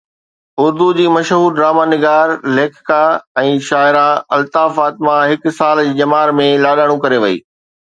اردو جي مشهور ڊراما نگار، ليکڪا ۽ شاعره الطاف فاطمه هڪ سال جي ڄمار ۾ لاڏاڻو ڪري وئي